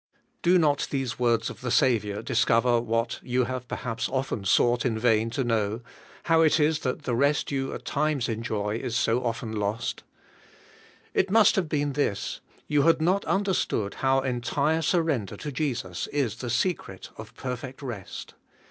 Do not these words of the Saviour discover what you have perhaps often sought in vain to know, how it is 22 ABIDE IN CHRIST: that the rest you at times enjoy is so often lost. It must have been this: you had not understood how entire surrender to Jesus is the secret of perfect rest.